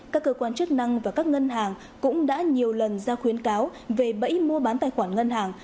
các cơ quan chức năng và các ngân hàng cũng đã nhiều lần ra khuyến cáo về bẫy mua bán tài khoản ngân hàng